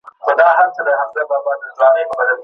زما ټاټوبی د خالپوڅو ښکلی ښار په اور کي سوځي